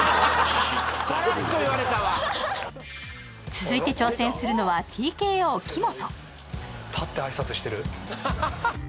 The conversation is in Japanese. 続いて挑戦するのはＴＫＯ木本。